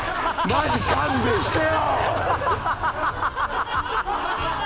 マジで勘弁してよ